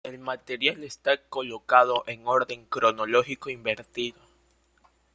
El material está colocado en orden cronológico invertido.